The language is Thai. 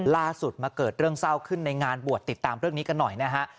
ล่าสุดมาเกิดเรื่องเศร้าขึ้นในงานบวชติดตามเรื่องนี้กันหน่อยนะฮะ